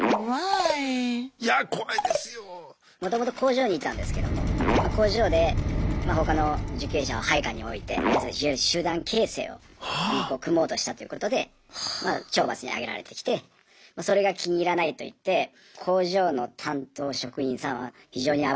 もともと工場にいたんですけども工場で他の受刑者を配下に置いて要するに集団形成を組もうとしたっていうことで懲罰に上げられてきてそれが気に入らないといって工場の担当職員さんは非常に危ない目に遭って。